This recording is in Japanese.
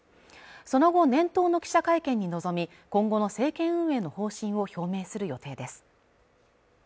その後年頭の記者会見に臨み今後の政権運営の方針を表明する予定です